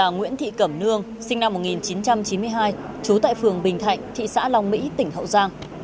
nguyễn thị cẩm nương sinh năm một nghìn chín trăm chín mươi hai trú tại phường bình thạnh thị xã long mỹ tỉnh hậu giang